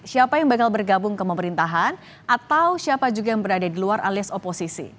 siapa yang bakal bergabung ke pemerintahan atau siapa juga yang berada di luar alias oposisi